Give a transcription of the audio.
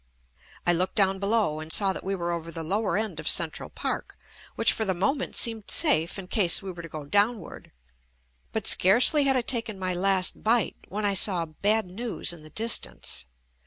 I looked down below and saw that we were over the lower end of Central Park, which for the moment seemed safe in case we were to go downward. But scarcely had I taken my last bite, when I saw bad news in the distance.